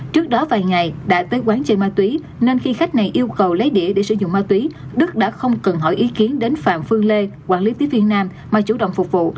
trước đó vài ngày đã tới quán chơi ma túy nên khi khách này yêu cầu lấy đĩa để sử dụng ma túy